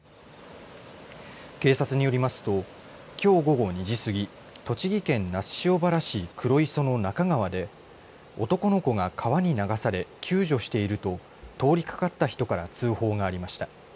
警察によりますときょう午後２時過ぎ栃木県那須塩原市黒磯の那珂川で男の子が川に流され救助していると通りかかった人から通報がありました。